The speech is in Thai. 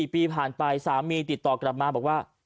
๔ปีผ่านไปสามีติดต่อกลับมาบอกว่า